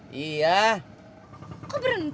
kita mau ke rumah sakit